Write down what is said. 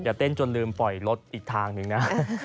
เต้นจนลืมปล่อยรถอีกทางหนึ่งนะ